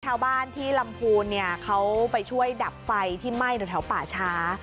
แถวบ้านที่ลำพูลเขาไปช่วยดับไฟที่ไหม้ตรงแถวป่าช้า